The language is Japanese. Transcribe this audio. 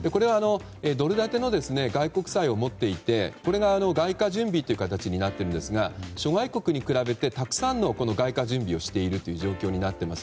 ドル建ての外国債を持っていてこれが外貨準備という形になっていて諸外国に比べてたくさんの外貨準備をしているという状況になっています。